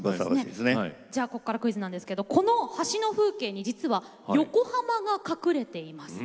ここからクイズなんですけどこの橋の風景に実は横浜が隠れています。